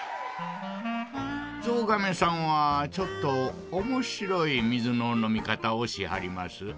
ゾウガメさんはちょっとおもしろいみずののみかたをしはります。